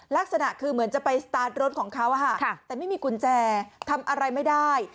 ลักษณะคือเหมือนจะไปสตาร์ทรถของเขาแต่ไม่มีกุญแจทำอะไรไม่ได้